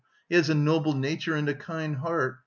He has a noble nature and a kind heart.